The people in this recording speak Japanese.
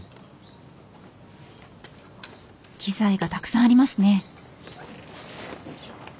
機材がたくさんありますね。